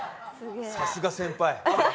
さすが先輩。